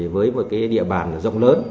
với một địa bàn rộng lớn